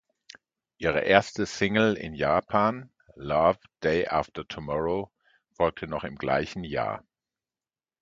Ihre erste Single in Japan, "Love, Day After Tomorrow", folgte noch im gleichen Jahr.